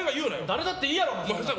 誰だっていいやろ。